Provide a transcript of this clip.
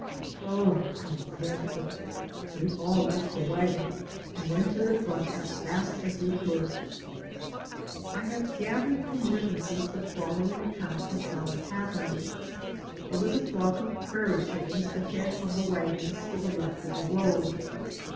Oh, how dreadful. We all left the wagon and went to the front as fast as we could. I have gathered from witnesses the follow ing account of how it happened. There was a flock of prairie chickens ahead of the wagons to the left of the road.